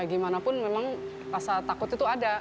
ya gimana pun memang rasa takut itu ada